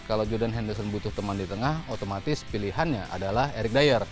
kalau jordan henderson butuh teman di tengah otomatis pilihannya adalah eric dier